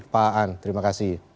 pak an terima kasih